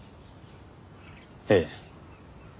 ええ。